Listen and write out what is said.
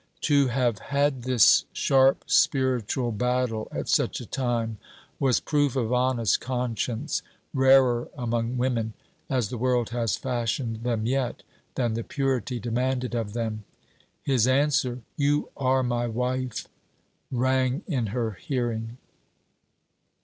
To have had this sharp spiritual battle at such a time, was proof of honest conscience, rarer among women, as the world has fashioned them yet, than the purity demanded of them. His answer: 'You are my wife!' rang in her hearing.